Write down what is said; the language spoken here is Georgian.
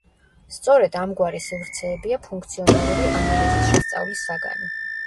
სწორედ ამგვარი სივრცეებია ფუნქციონალური ანალიზის შესწავლის საგანი.